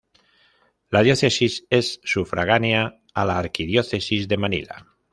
La diócesis es sufragánea a la Arquidiócesis de Manila.